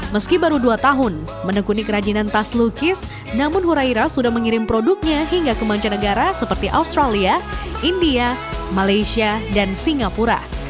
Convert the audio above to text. meski baru dua tahun menekuni kerajinan tas lukis namun hurairah sudah mengirim produknya hingga ke mancanegara seperti australia india malaysia dan singapura